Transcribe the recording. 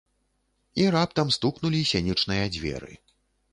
І раптам стукнулі сенечныя дзверы.